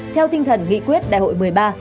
theo tinh thần nghị quyết đại hội một mươi ba